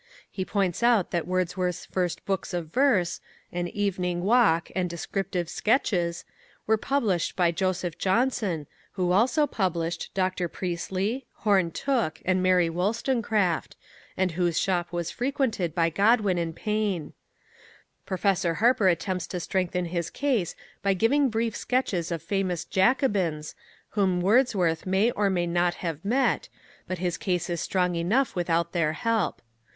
He points out that Wordsworth's first books of verse, An Evening Walk, and Descriptive Sketches, were published by Joseph Johnson, who also published Dr. Priestley, Horne Tooke, and Mary Wollstonecraft, and whose shop was frequented by Godwin and Paine. Professor Harper attempts to strengthen his case by giving brief sketches of famous "Jacobins," whom Wordsworth may or may not have met, but his case is strong enough without their help.